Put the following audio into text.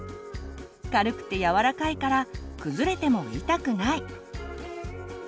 軽くてやわらかいから崩れても痛くない。